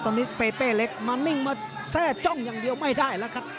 ตอนนี้เปเป้เล็กมานิ่งมาแทร่จ้องอย่างเดียวไม่ได้แล้วครับ